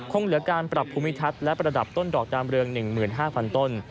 คงเหลือการปรับภูมิทัศน์และประดับต้นดอกดามเรือง๑๕๐๐ต้น